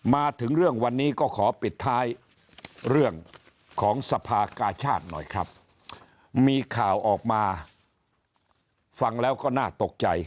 มาถึงเรื่องวันนี้ก็ขอปิดท้ายเรื่องของสภากาชาติหน่อยครับมีข่าวออกมาฟังแล้วก็น่าตกใจ